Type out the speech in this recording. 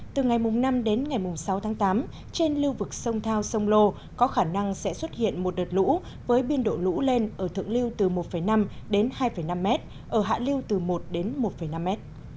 từ ngày năm đến ngày sáu tháng tám trên lưu vực sông thao sông lô có khả năng sẽ xuất hiện một đợt lũ với biên độ lũ lên ở thượng lưu từ một năm đến hai năm m ở hạ liêu từ một đến một năm m